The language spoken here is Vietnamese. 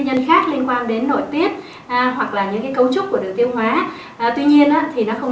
nhân khác liên quan đến nội tiết hoặc là những cấu trúc của đường tiêu hóa tuy nhiên thì nó không